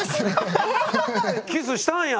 「キスしたんや。